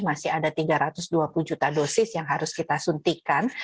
masih ada tiga ratus dua puluh juta dosis yang harus kita suntikan